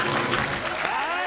はい！